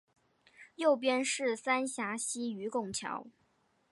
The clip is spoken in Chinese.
右边是三峡溪与拱桥